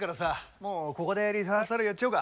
もうここでリハーサルやっちゃおうか。